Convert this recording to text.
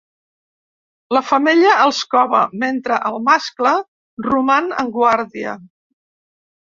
La femella els cova, mentre el mascle roman en guàrdia.